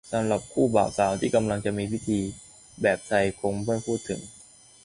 สำหรับคู่บ่าวสาวที่กำลังจะมีพิธี แบบไทยคงไม่พูดถึง